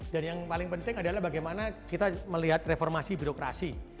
dan yang paling penting adalah bagaimana kita melihat reformasi birokrasi